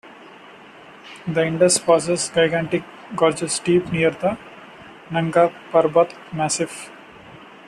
The Indus passes gigantic gorges deep near the Nanga Parbat massif.